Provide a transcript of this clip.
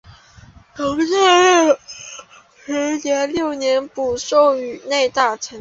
同治十年六月补授内大臣。